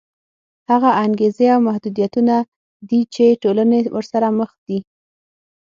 هغه انګېزې او محدودیتونه دي چې ټولنې ورسره مخ دي.